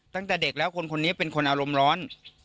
ตั้งแต่เด็กแล้วคนคนนี้เป็นคนอารมณ์ร้อน